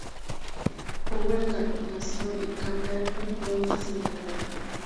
Powell nació en Camberwell, Londres, Inglaterra.